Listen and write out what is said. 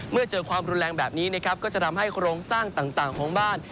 เมื่อเจอความรุนแรงแบบนี้นะครับก็จะทำให้โครงสร้างต่างของบ้าน